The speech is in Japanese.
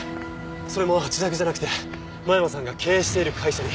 それも自宅じゃなくて間山さんが経営している会社に。